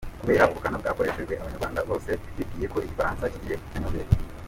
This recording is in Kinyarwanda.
Kubera ubukana bwakoreshejwe abanyarwanda bose bibwiyeko igifaransa kigiye nka nyomberi.